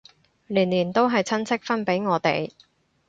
年年都係親戚分俾我哋